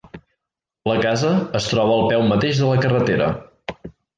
La casa es troba al peu mateix de la carretera.